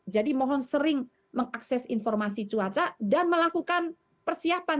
jadi mohon sering mengakses informasi cuaca dan melakukan persiapan